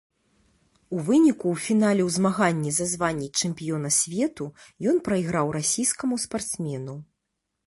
У выніку ў фінале ў змаганні за званне чэмпіёна свету ён прайграў расійскаму спартсмену.